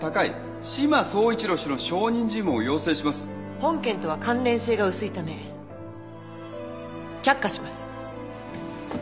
本件とは関連性が薄いため却下します